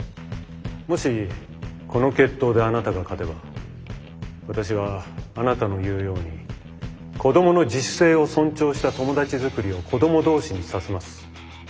もしこの決闘であなたが勝てば私はあなたの言うように子どもの自主性を尊重した友達作りを子ども同士にさせます。